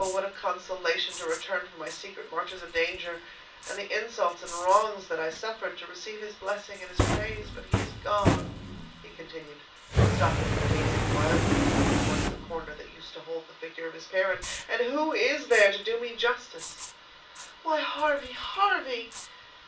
what a consolation to return from my secret marches of danger, and the insults and wrongs that I suffered, to receive his blessing and his praise; but he is gone," he continued, stopping and gazing wildly towards the corner that used to hold the figure of his parent, "and who is there to do me justice?" "Why, Harvey! Harvey!"